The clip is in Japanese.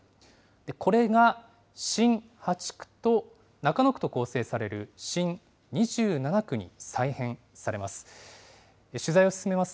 これが新８区と、中野区と構成される新２７区に再編されます。